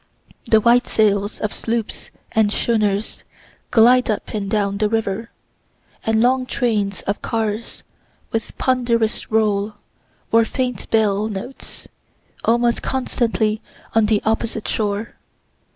The white sails of sloops and schooners glide up and down the river; and long trains of cars, with ponderous roll, or faint bell notes, almost constantly on the opposite shore.